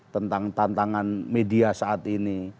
tentang tantangan media saat ini